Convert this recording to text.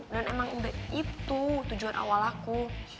dan emang udah itu tujuan awal aku